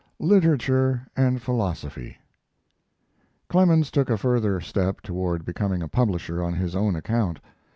LITERATURE AND PHILOSOPHY Clemens took a further step toward becoming a publisher on his own account.